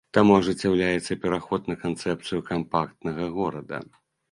Таму ажыццяўляецца пераход на канцэпцыю кампактнага горада.